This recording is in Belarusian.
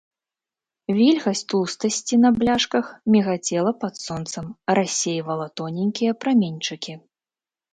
Вільгаць тлустасці на бляшках мігацела пад сонцам, рассейвала тоненькія праменьчыкі.